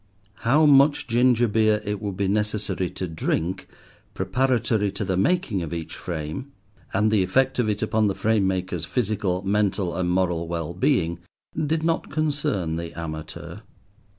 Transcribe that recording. How much ginger beer it would be necessary to drink, preparatory to the making of each frame; and the effect of it upon the frame maker's physical, mental and moral well being, did not concern The Amateur.